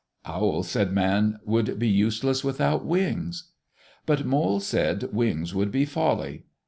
Owl said man would be useless without wings. But Mole said wings would be folly.